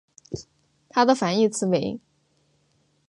它的反义词为。